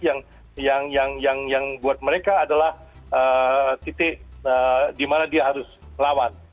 yang buat mereka adalah titik di mana dia harus melawan